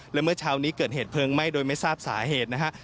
และเมื่อเช้านี้เกิดเหตุเพลิงไหม้โดยไม่ทราบสาเหตุนะฮะ